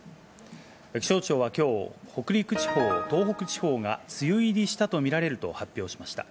気象庁はきょう、北陸地方、東北地方が梅雨入りしたとみられると発表しました。